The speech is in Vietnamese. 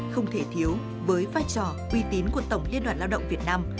không thể thiếu với vai trò uy tín của tổng liên đoàn lao động việt nam